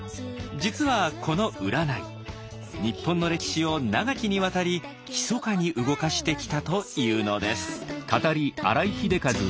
実はこの占い日本の歴史を長きにわたりひそかに動かしてきたというのです。